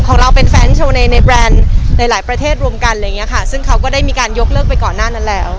ของเราเป็นแฟนโชว์ในแบรนด์ในหลายประเทศรวมกันซึ่งเขาก็ได้มีการยกเลิกไปก่อนหน้านั้นแล้ว